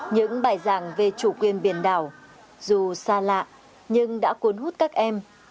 những bài giảng về chủ quyền biển đảo dù xa lạ nhưng đã cuốn hút các em